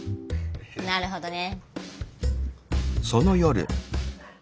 なるほどね。